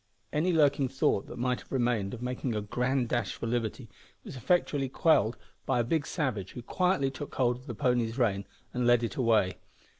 Any lurking thought that might have remained of making a grand dash for liberty was effectually quelled by a big savage, who quietly took hold of the pony's rein and led it away.